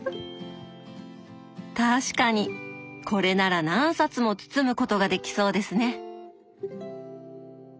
確かにこれなら何冊も包むことができそうですね。